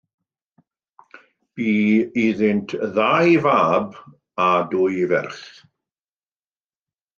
Bu iddynt dau fab a dwy ferch.